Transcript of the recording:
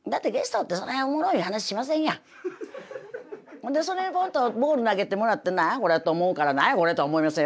ほんでそれポンとボール投げてもらって何やこれと思うから何やこれとは思いませんよ。